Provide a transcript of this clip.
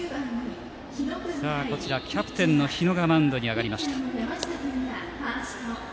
キャプテンの日野がマウンドに上がりました。